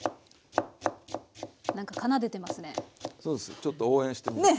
ちょっと応援してます。